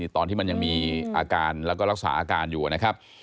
ตอนที่มันยังมีอาการแล้วก็รักษาอาการอยู่นะครับ